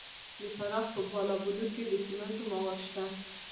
د فراه په بالابلوک کې د سمنټو مواد شته.